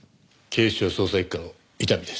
警視庁捜査一課の伊丹です。